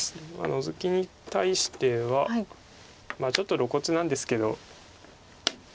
ノゾキに対してはちょっと露骨なんですけど。